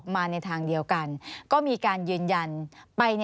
สนุนโดยน้ำดื่มสิง